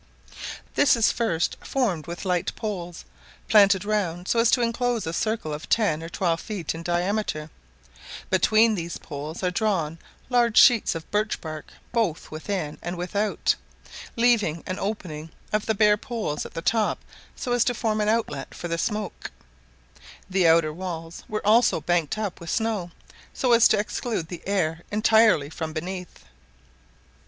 This is first formed with light poles, planted round so as to enclose a circle of ten or twelve feet in diameter; between these poles are drawn large sheets of birch bark both within and without, leaving an opening of the bare poles at the top so as to form an outlet for the smoke; the outer walls were also banked up with snow, so as to exclude the air entirely from beneath.